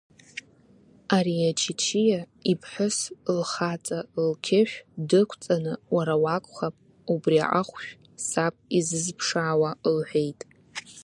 Ари аччиа иԥҳәас лхаҵа лқьышә дықәҵаны уара уакәхап убри ахәшә саб изызԥшаауа лҳәеит.